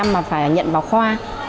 năm mươi mà phải nhận vào khoa